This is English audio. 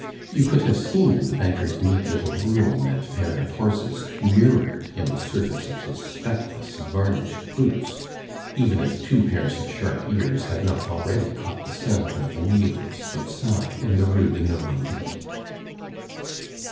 You could have seen the banker's neat little brougham and pair of horses mirrored in the surface of his speckless varnished boots, even if two pairs of sharp ears had not already caught the sound of wheels outside in the Rue de Normandie.